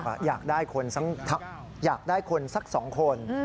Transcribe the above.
บอกว่าอยากได้คนสัก๒คน